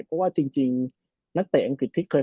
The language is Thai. เพราะว่าจริงนักเตะอังกฤษที่เคย